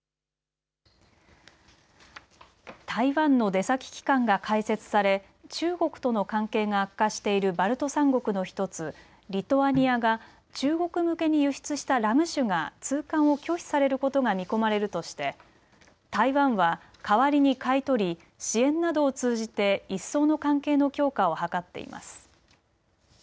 台湾の出先機関が開設され中国との関係が悪化しているバルト３国の１つ、リトアニアが中国向けに輸出したラム酒が通関を拒否されることが見込まれるとして台湾は代わりに買い取り支援などを通じて一層の関係の強化を図っています。